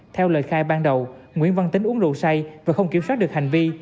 theo lời khai ban đầu nguyễn văn tính uống rượu say và không kiểm soát được hành vi